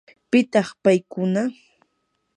¿pitaq paykuna?